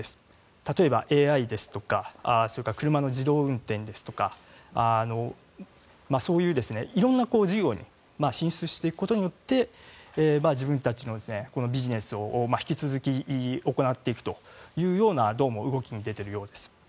例えば、ＡＩですとか車の自動運転ですとかそういう色んな事業に進出していくことによって自分たちのビジネスを引き続き行っていくというようなどうも動きに出ているようです。